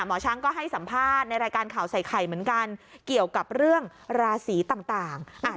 หมอช้างก็ให้สัมภาษณ์ในรายการข่าวใส่ไข่เหมือนกันเกี่ยวกับเรื่องราศีต่าง